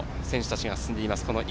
選手たちが進んでいます